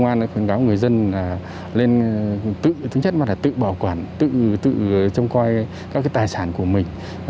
cơ quan công an khuyến cáo người dân lên tự thứ nhất là tự bảo quản tự trông coi các cái tài sản của mình